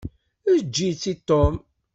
Eǧǧ-itt i Tom.